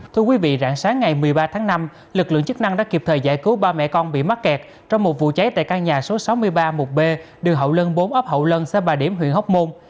thưa quý vị rạng sáng ngày một mươi ba tháng năm lực lượng chức năng đã kịp thời giải cứu ba mẹ con bị mắc kẹt trong một vụ cháy tại căn nhà số sáu mươi ba một b đường hậu lân bốn ấp hậu lân xã bà điểm huyện hóc môn